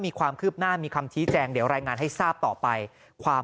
มีความคืบหน้ามีคำชี้แจงเดี๋ยวรายงานให้ทราบต่อไปความ